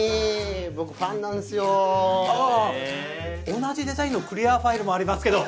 同じデザインのクリアファイルもありますけど。